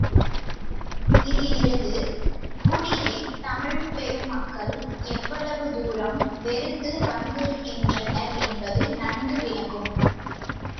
இதிலிருந்து குடியைத் தமிழ்ப் பெருமக்கள் எவ்வளவு தூரம் வெறுத்து வந்திருக்கின்றனர் என்பது நன்கு விளங்கும்.